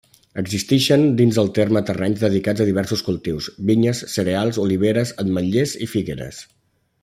Existixen dins del terme terrenys dedicats a diversos cultius: vinyes, cereals, oliveres, ametlers i figueres.